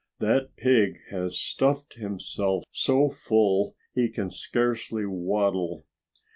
"That pig has stuffed himself so full he can scarcely waddle."